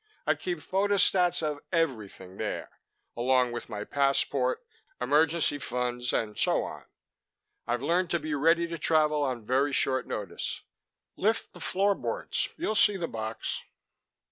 I keep photostats of everything there, along with my passport, emergency funds and so on. I've learned to be ready to travel on very short notice. Lift the floorboards; you'll see the box."